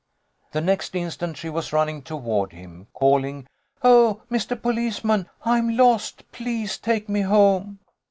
The next instant she was running toward him, calling, "Oh, Mister Policeman, I'm lost! Please take me home